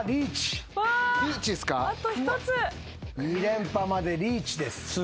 ２連覇までリーチです。